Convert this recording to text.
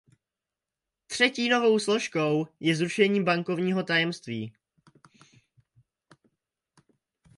Třetí novou složkou je zrušení bankovního tajemství.